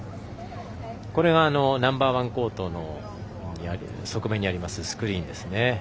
これが、ナンバーワンコートの側面にありますスクリーンですね。